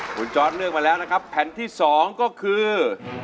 คุณจอร์ดเลือกมาแล้วนะครับแผ่นที่๒ก็คือ